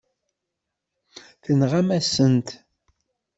Tenɣam-asen-t.